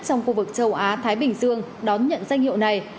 trong khu vực châu á thái bình dương đón nhận danh hiệu này